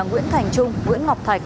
nguyễn thành trung nguyễn ngọc thạch